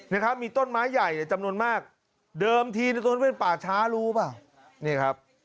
นะครับมีต้นไม้ใหญ่จำนวนมากเดิมทีในต้นไม้ป่าช้ารู้ป่าวนี่ครับ